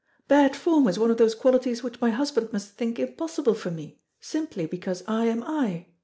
Bad form is one of those qualities which my husband must think impossible for me, simply because I am I.